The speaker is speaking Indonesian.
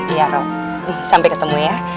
iya rok sampai ketemu ya